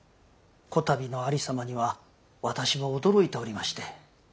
こたびのありさまには私も驚いておりまして。